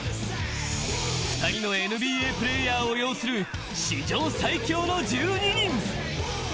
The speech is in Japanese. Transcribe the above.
２人のＮＢＡプレーヤーを擁する史上最強の１２人。